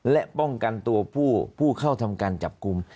และป้องกันตัวผู้เข้าทำการจับกลุ่ม